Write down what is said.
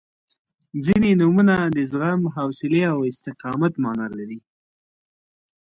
• ځینې نومونه د زغم، حوصلې او استقامت معنا لري.